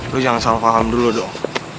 lu jangan salah paham dulu dong